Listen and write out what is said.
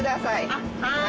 あっはーい。